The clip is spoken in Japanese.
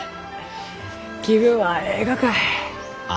気分はえいがかえ？